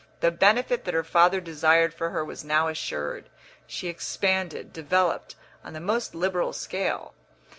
The benefit that her father desired for her was now assured; she expanded, developed, on the most liberal scale.